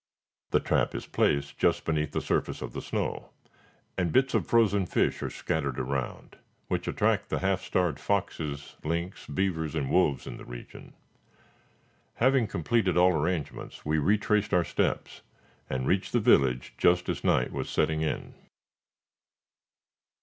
The trap is placed just beneath the surface of the snow, and bits of frozen fish are scattered around, which attract the half starved foxes, lynx, beavers, and wolves in the region. Having completed all arrangements, we retraced our steps, and reached the village just as night was setting in.